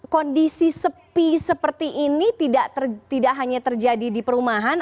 kondisi sepi seperti ini tidak hanya terjadi di perumahan